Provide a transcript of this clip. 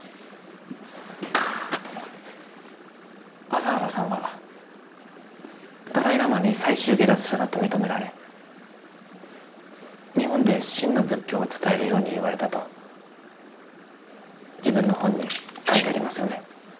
麻原さんはダライ・ラマに最終解脱者だと認められ日本で真の仏教を伝えるように言われたと自分の本に書いてありますよね。